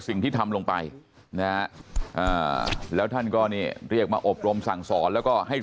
สิ่งที่ทำลงไปนะแล้วท่านก็เนี่ยเรียกมาอบรมสั่งสอนแล้วก็ให้